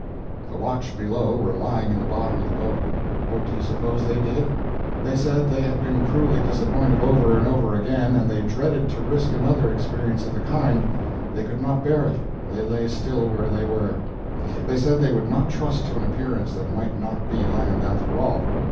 The "watch below" were lying in the bottom of the boat. What do you suppose they did? They said they had been cruelly disappointed over and over again, and they dreaded to risk another experience of the kind—they could not bear it—they lay still where they were. They said they would not trust to an appearance that might not be land after all.